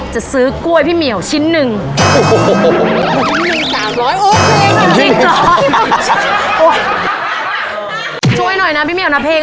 ช่วยหน่อยซิ